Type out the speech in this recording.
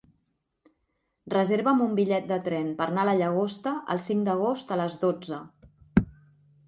Reserva'm un bitllet de tren per anar a la Llagosta el cinc d'agost a les dotze.